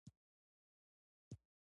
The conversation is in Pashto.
د ناغوښتو عواملو اغېز هېڅکله صفر ته نه رسیږي.